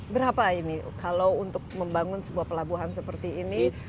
berapa ini kalau untuk membangun sebuah pelabuhan seperti ini